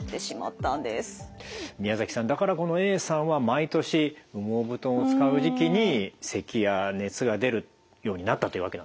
宮崎さんだからこのＡさんは毎年羽毛布団を使う時期にせきや熱が出るようになったというわけなんですね。